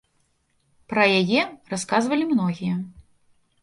Пра яе расказвалі многія.